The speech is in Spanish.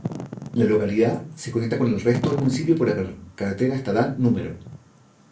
La localidad se conecta con el resto del municipio por la carretera estatal No.